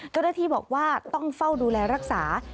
ก็ได้ที่บอกว่าต้องเฝ้าดูแลรักษา